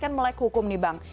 kan melek hukum nih bang